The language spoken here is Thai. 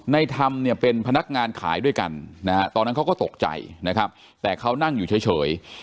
ธรรมเนี่ยเป็นพนักงานขายด้วยกันนะฮะตอนนั้นเขาก็ตกใจนะครับแต่เขานั่งอยู่เฉย